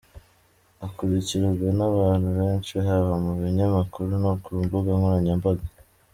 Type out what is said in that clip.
Akurikirwa n’ abantu benshi haba mu binyamakuru no ku mbuga nkoranyambaga.